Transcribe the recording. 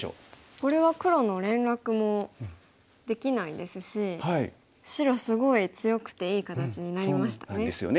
これは黒の連絡もできないですし白すごい強くていい形になりましたね。